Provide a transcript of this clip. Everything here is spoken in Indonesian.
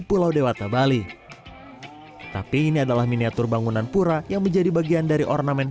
pulau dewata bali tapi ini adalah miniatur bangunan pura yang menjadi bagian dari ornamen